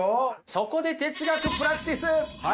そこで哲学プラクティス。